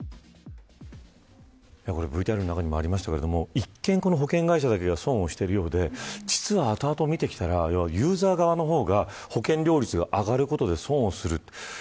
ＶＴＲの中にもありましたが一見この保険会社だけが損をしてるようで実は後々見てきたらユーザー側の方が、保険料率が上がることで損をする。